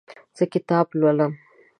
زه کتاب لولم.